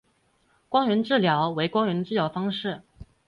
光照治疗为光源的治疗方式。